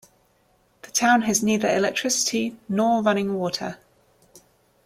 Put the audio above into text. The town has neither electricity nor running water.